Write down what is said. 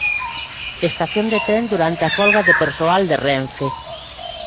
Estación de tren durante a folga de persoal de Renfe.